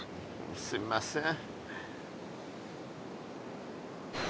すみません。